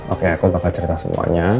oke aku bakal cerita semuanya